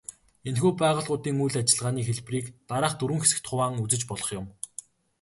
Энэхүү байгууллагуудын үйл ажиллагааны хэлбэрийг дараах дөрвөн хэсэгт хуваан үзэж болох юм.